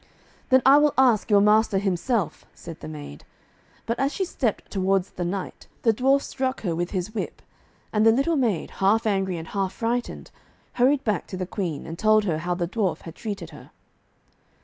'Then I will ask your master himself,' said the maid. But as she stepped towards the knight, the dwarf struck her with his whip, and the little maid, half angry and half frightened, hurried back to the Queen, and told her how the dwarf had treated her.